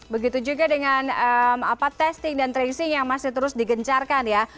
begitu juga dengan testing dan tracing yang masih terus digencarkan ya